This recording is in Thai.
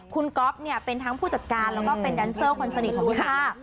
คุณก๊อฟเนี่ยเป็นทั้งผู้จัดการแล้วก็เป็นแดนเซอร์คนสนิทของพี่ค่า